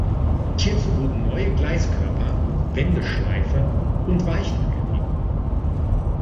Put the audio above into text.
Hierzu wurden neue Gleiskörper, Wendeschleife und Weichen angelegt.